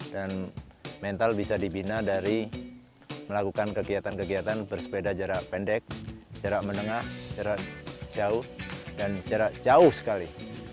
dan mental bisa dibina dari melakukan kegiatan kegiatan bersepeda jarak pendek jarak menengah jarak jauh dan jarak jauh sekali